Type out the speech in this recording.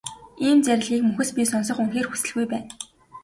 Ийм зарлигийг мөхөс би сонсох үнэхээр хүсэлгүй байна.